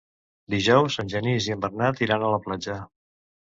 Dijous en Genís i en Bernat iran a la platja.